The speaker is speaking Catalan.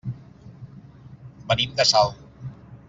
Venim de Salt.